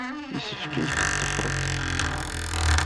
Yessefk ad iyi-tḍefreḍ.